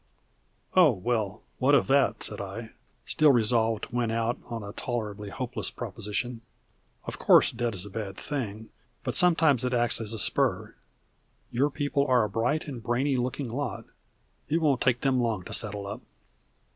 "Oh, well, what of that?" said I, still resolved to win out on a tolerably hopeless proposition. "Of course debt is a bad thing; but sometimes it acts as a spur. Your people are a bright and brainy looking lot. It won't take them long to settle up."